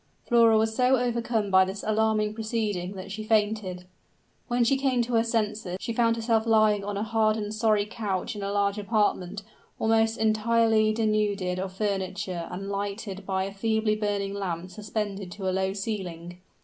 Flora was so overcome by this alarming proceeding, that she fainted. When she came to her senses, she found herself lying on a hard and sorry couch in a large apartment, almost entirely denuded of furniture and lighted by a feebly burning lamp suspended to the low ceiling.